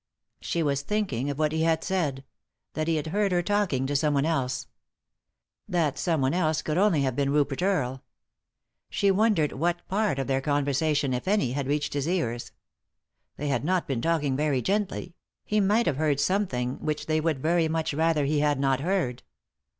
She was thinking of what he had said— that he had heard her talking to someone else. That someone else could only have been Rupert Earle. Shejwondered what part of their conversation, if any, had reached his ears. They had not been talk ing very gently ; he might have heard something which they would very much rather he had not heard.